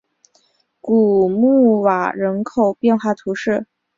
古穆瓦人口变化图示